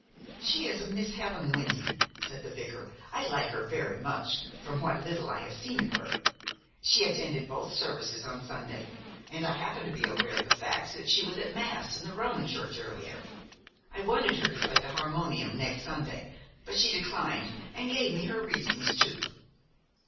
"She is a Miss Helen Wynton," said the vicar. "I like her very much from what little I have seen of her. She attended both services on Sunday, and I happen to be aware of the fact that she was at mass in the Roman church earlier. I wanted her to play the harmonium next Sunday; but she declined, and gave me her reasons too."